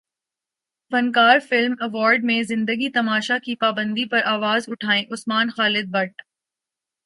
فنکار film award میں زندگی تماشا کی پابندی پر اواز اٹھائیں عثمان خالد بٹ